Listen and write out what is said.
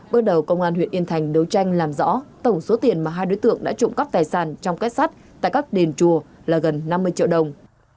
bước đầu công an huyện yên thành đấu tranh làm rõ tổng số tiền mà hai đối tượng đã trộm cắp tài sản trong kết sắt tại các đền chùa là gần năm mươi triệu đồng